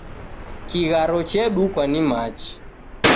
Kigharo chedukwa ni machi